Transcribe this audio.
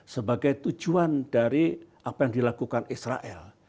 sebagai tujuan dari apa yang dilakukan israel